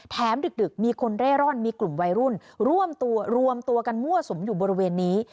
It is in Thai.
ดึกมีคนเร่ร่อนมีกลุ่มวัยรุ่นร่วมตัวรวมตัวกันมั่วสุมอยู่บริเวณนี้